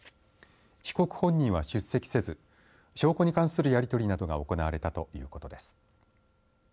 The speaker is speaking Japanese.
被告本人は出席せず証拠に関するやり取りなどが行われたということです。